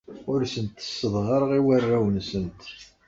Ur asent-sseḍhareɣ i warraw-nsent.